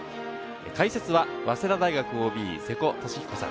解説は早稲田大学ＯＢ・瀬古利彦さん。